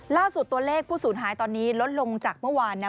ล่าสุดตัวเลขผู้สูญหายตอนนี้ลดลงจากเมื่อวานนะ